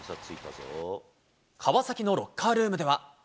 川崎のロッカールームでは。